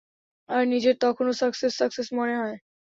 আর নিজেরে তখন success, success, মনে হয়।